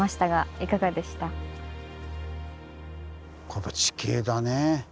この地形だね。